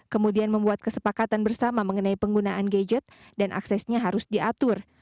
kemudian membuat kesepakatan bersama mengenai penggunaan gadget dan aksesnya harus diatur